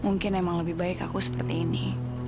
mungkin emang lebih baik aku seperti ini